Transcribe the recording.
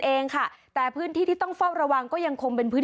เองค่ะแต่พื้นที่ที่ต้องเฝ้าระวังก็ยังคงเป็นพื้น